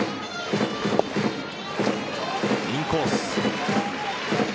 インコース。